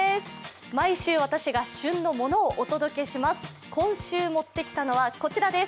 毎週私が旬のものをお届けします。